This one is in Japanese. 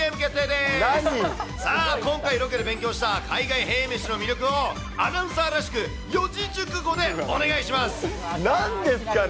今回ロケで勉強した海外へぇ飯の魅力をアナウンサーらしく四なんですかね。